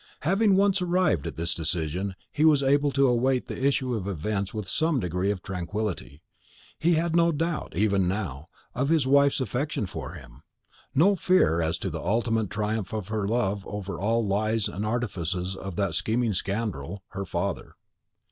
Having once arrived at this decision, he was able to await the issue of events with some degree of tranquility. He had no doubt, even now, of his wife's affection for him, no fear as to the ultimate triumph of her love over all the lies and artifices of that scheming scoundrel, her father.